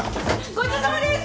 ごちそうさまです！